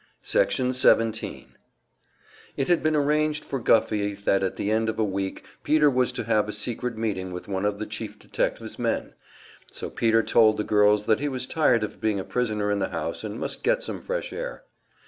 Section 17 It had been arranged with Guffey that at the end of a week Peter was to have a secret meeting with one of the chief detective's men. So Peter told the girls that he was tired of being a prisoner in the house and must get some fresh air.